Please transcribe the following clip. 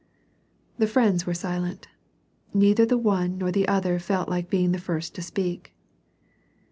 The friends were silent. Neither the one nor the other felt like being the first to speak.